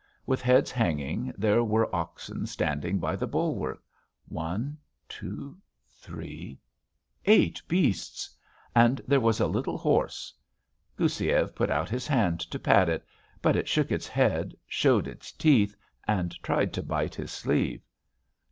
With heads hanging there were oxen standing by the bulwark one, two, three ... eight beasts. And there was a little horse. Goussiev put out his hand to pat it, but it shook its head, showed its teeth and tried to bite his sleeve.